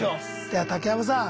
では竹山さん